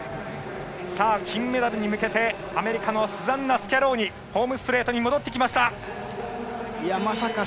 金メダルに向けて、アメリカのスザンナ・スキャローニがホームストレートに戻ってきた。